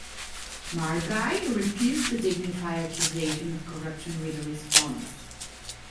Margai refused to dignify accusation of corruption with a response.